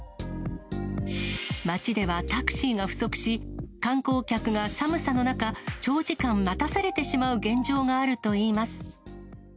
町ではタクシーが不足し、観光客が寒さの中、長時間待たされてしまう現状があるといいます。